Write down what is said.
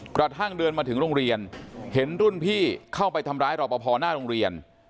กระทั่งเดินมาถึงโรงเรียนเห็นรุ่นพี่เข้าไปทำร้ายรอปภหน้าโรงเรียน